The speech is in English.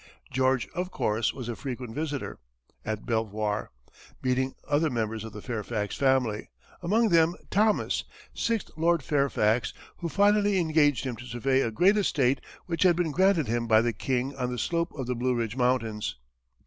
George, of course, was a frequent visitor at Belvoir, meeting other members of the Fairfax family, among them Thomas, sixth Lord Fairfax, who finally engaged him to survey a great estate which had been granted him by the king on the slope of the Blue Ridge mountains.